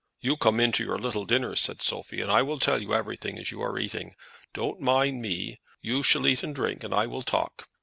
"You come in to your little dinner," said Sophie, "and I will tell you everything as you are eating. Don't mind me. You shall eat and drink, and I will talk.